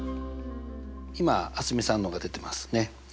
今蒼澄さんのが出てますね。